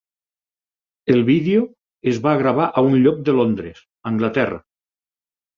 El vídeo es va gravar a un lloc de Londres, Anglaterra.